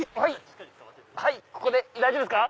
ここで大丈夫ですか？